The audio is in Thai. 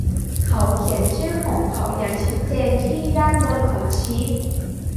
เขาเขียนชื่อของเขาอย่างชัดเจนที่ด้านบนของชีท